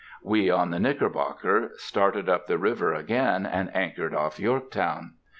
We on the Knickerbocker started up the river again, and anchored off Yorktown....